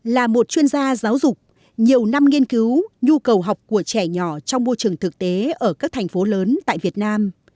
là một chuyên gia giáo dục nhiều năm nghiên cứu nhu cầu học của trẻ nhỏ trong môi trường thực tế ở các thành phố lớn tại việt nam